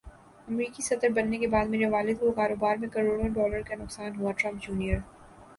امریکی صدربننے کےبعد میرے والد کوکاروبار میں کروڑوں ڈالر کا نقصان ہوا ٹرمپ جونیئر